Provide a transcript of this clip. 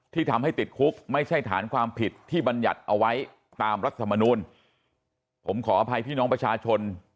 ที่ทำให้ติดคุกไม่ใช่ฐานความผิดที่บรรยัติเอาไว้ตามรัฐมนูลผมขออภัยพี่น้องประชาชน